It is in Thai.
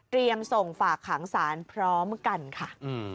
เตรียมส่งฝากขางศาลพร้อมกันค่ะ